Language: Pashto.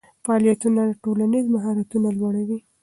فعالیتونه ټولنیز مهارتونه لوړوي.